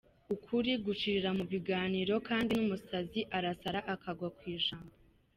Ukuri gushirira mu biganiro, kandi n’umusazi arasara akagwa ku ijambo.